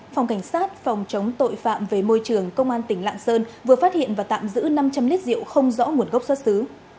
phòng cảnh sát phòng chống tội phạm về môi trường công an tỉnh lạng sơn vừa phát hiện và tạm giữ năm trăm linh lít rượu không rõ nguồn gốc xuất xứ